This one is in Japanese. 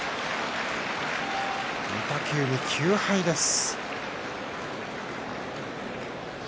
御嶽海、９敗です。